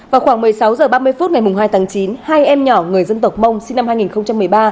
vào khoảng một mươi sáu h ba mươi phút ngày hai tháng chín hai em nhỏ người dân tộc mông sinh năm hai nghìn một mươi ba